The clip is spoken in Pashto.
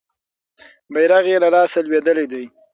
بیرغ یې له لاسه لویدلی دی.